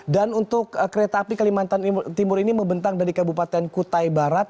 dan untuk kereta api kalimantan timur ini membentang dari kabupaten kutai barat